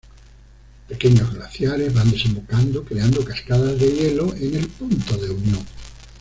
Pequeños glaciares van desembocando, creando cascadas de hielo en el punto de unión.